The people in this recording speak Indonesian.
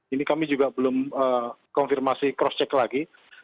ini kami juga belum konfirmasi cross check lagi